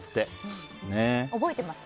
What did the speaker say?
覚えてます？